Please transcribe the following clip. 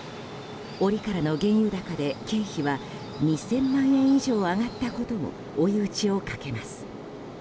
折からの原油高で、経費は２０００万円以上上がったことも追い打ちをかけます。